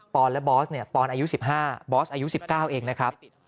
อนและบอสเนี่ยปอนอายุ๑๕บอสอายุ๑๙เองนะครับ